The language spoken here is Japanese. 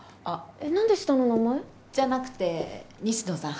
えっ何で下の名前？じゃなくて西野さん